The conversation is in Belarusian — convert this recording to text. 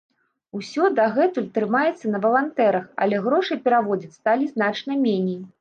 Усё дагэтуль трымаецца на валантэрах, але грошай пераводзіць сталі значна меней.